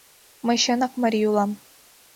— Мый чынак марий улам.